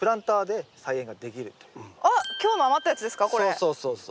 そうそうそうそう。